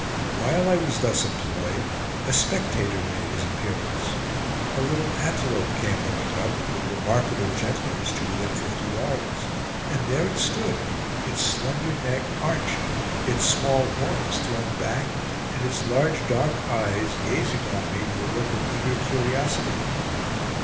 While I was thus employed, a spectator made his appearance; a little antelope came running up with remarkable gentleness to within fifty yards; and there it stood, its slender neck arched, its small horns thrown back, and its large dark eyes gazing on me with a look of eager curiosity.